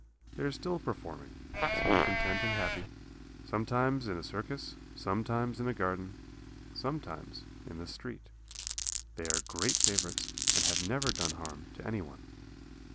They are still performing, seem content and happy, sometimes in a circus, sometimes in a garden, sometimes in the street. They are great favorites and have never done harm to anyone.